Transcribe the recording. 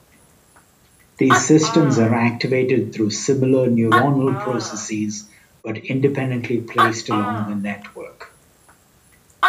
These systems are activated through similar neuronal processes but independently placed along the network.